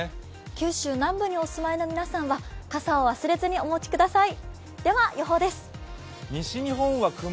九州南部にお住まいの皆さん傘を忘れずにお持ちください。